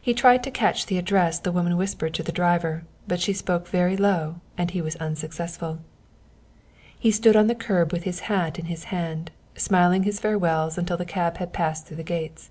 He tried to catch the address the woman whispered to the driver, but she spoke very low and he was unsuccessful. He stood on the curb with his hat in his hand, smiling his farewells until the cab had passed through the gates.